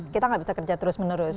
kita nggak bisa kerja terus menerus